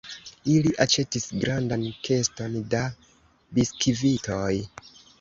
Ili aĉetis grandan keston da biskvitoj.